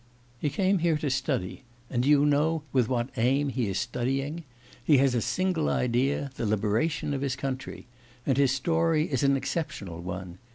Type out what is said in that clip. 'He came here to study. And do you know with what aim he is studying? He has a single idea: the liberation of his country. And his story is an exceptional one.